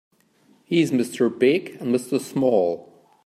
He's Mr. Big and Mr. Small.